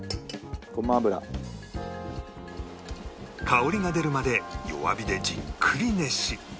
香りが出るまで弱火でじっくり熱し